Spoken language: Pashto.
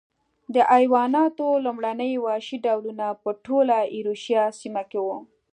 د حیواناتو لومړني وحشي ډولونه په ټوله ایرویشیا سیمه کې و.